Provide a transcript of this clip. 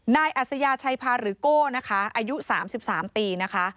นายอาศยาชัยพารุโก้นะคะอายุ๓๓ปีนะคะ